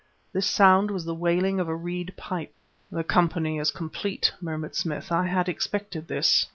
This sound was the wailing of a reed pipe. "The company is complete," murmured Smith. "I had expected this."